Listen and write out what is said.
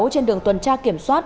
trên đường tuần tra kiểm soát